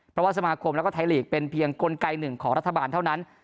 เพราะว่าสมาคมแล้วก็ไทยลีกเป็นเพียงกลไกหนึ่งของรัฐบาลเท่านั้น